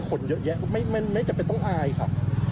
คนเยอะแยะไม่จำเป็นต้องอายค่ะ